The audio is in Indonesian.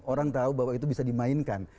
orang tahu bahwa itu bisa dimainkan